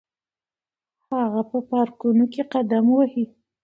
هغه به په پارکونو کې قدم وهي.